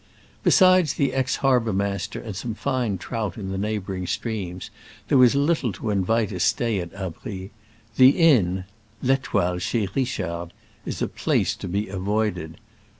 Besides the ex harbormaster and some fine trout in the neighboring streams, there was little to invite a stay at Abries. The inn — L'^fetoile, chez Richard — is a place to be avoided.